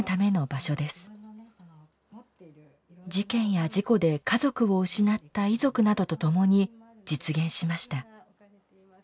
事件や事故で家族を失った遺族などと共に実現しました。